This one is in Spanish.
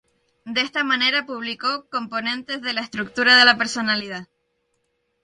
De esta manera publicó "Componentes de la Estructura de la Personalidad".